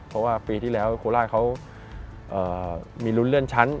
เพราะว่าปีที่แล้วโคราชเขามีลุ้นเลื่อนชั้น